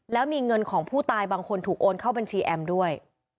แล้วมีเงินของผู้ตายบางคนถูกโอนเข้าบัญชีแอมด้วย